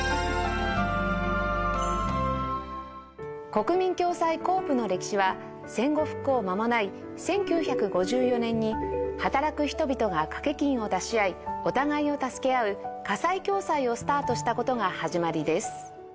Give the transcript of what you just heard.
こくみん共済 ｃｏｏｐ の歴史は戦後復興まもない１９５４年に働く人々が掛け金を出し合いお互いをたすけあう火災共済をスタートした事が始まりです